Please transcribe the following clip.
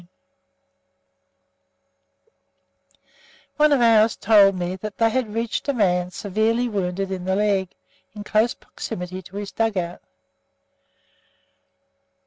C. One of ours told me they had reached a man severely wounded in the leg, in close proximity to his dug out.